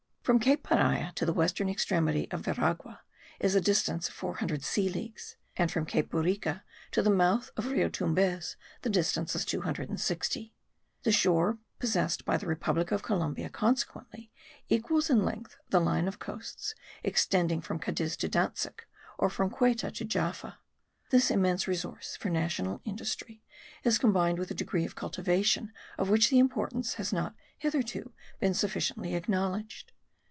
From Cape Paria to the western extremity of Veragua is a distance of 400 sea leagues: and from Cape Burica to the mouth of Rio Tumbez the distance is 260. The shore possessed by the republic of Columbia consequently equals in length the line of coasts extending from Cadiz to Dantzic, or from Ceuta to Jaffa. This immense resource for national industry is combined with a degree of cultivation of which the importance has not hitherto been sufficiently acknowledged.